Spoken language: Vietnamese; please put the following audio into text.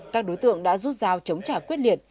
các đối tượng đã rút dao chống trả quyết liệt